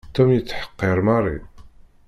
Tom yettḥeqqiṛ Mary.